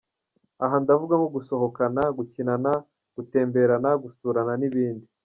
Aha ndavuga nko gusohokana, gukinana, gutemberana, gusurana n’ ibindi.